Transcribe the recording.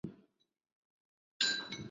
藏南风铃草为桔梗科风铃草属的植物。